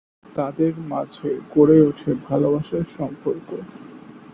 তাদের মাঝে গড়ে ওঠে ভালোবাসার সম্পর্ক।